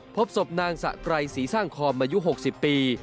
พบศพนางสะไกรศรีสร้างคอมอายุ๖๐ปี